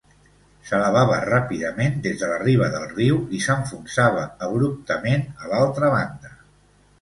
S'elevava ràpidament des de la riba del riu i s'enfonsava abruptament a l'altra banda.